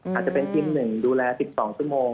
อาจจะเป็นทีม๑ดูแล๑๒ชั่วโมง